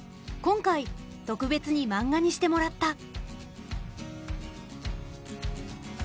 今回特別にマンガにしてもらった。